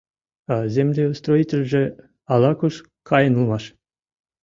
А землеустроительже ала-куш каен улмаш.